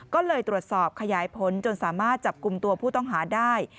ก็เลยตรวจสอบขยายผลจนสามารถจับกลุ่มตัวผู้ต้องหาได้